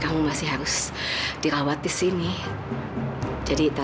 dan dari salah titik lihat apa yang kelihatan